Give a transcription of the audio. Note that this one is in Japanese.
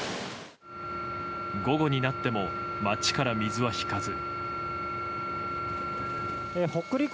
午後になっても町から水は引かず。